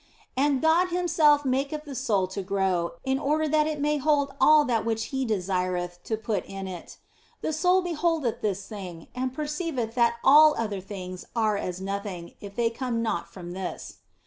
And God Himself maketh the soul to grow, in order that it may hold all that which He desireth to put into it. And the soul beholdeth this thing, and perceiveth that all other things are as nothing if they come not from this.